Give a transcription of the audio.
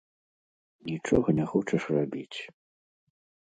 Нічога не хочаш рабіць.